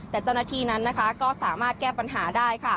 แต่เจ้าหน้าที่นั้นก็สามารถแก้ปัญหาได้